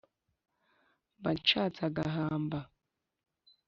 Mba nshatse agahamba